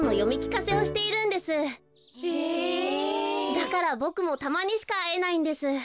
だからボクもたまにしかあえないんです。